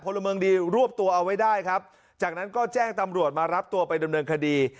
ละเมืองดีรวบตัวเอาไว้ได้ครับจากนั้นก็แจ้งตำรวจมารับตัวไปดำเนินคดี